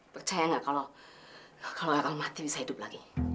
percaya gak kalau kalau gak akan mati bisa hidup lagi